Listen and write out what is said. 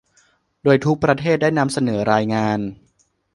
โดยทุกประเทศได้นำเสนอรายงาน